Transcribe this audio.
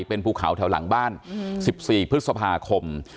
เป็นภูเขาแถวหลังบ้าน๑๔พฤษภาคม